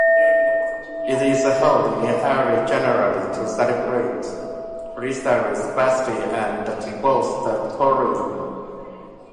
It is held in early January to celebrate Presley's birthday and to boost tourism.